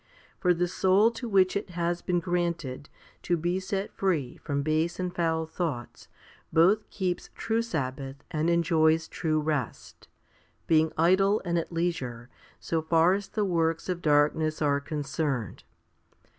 For the soul to which it has been granted to be set free from base and foul thoughts both keeps true sabbath and enjoys true rest, being idle and at leisure so far as the works of darkness are concerned.